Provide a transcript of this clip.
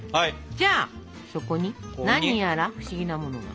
じゃあそこに何やら不思議なものが。